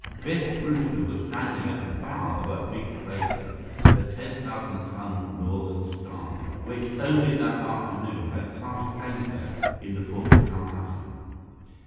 Biff Brewster was standing at the bow of a big freighter, the 10,000 ton Northern Star, which only that afternoon had cast anchor in the Port of Calcutta.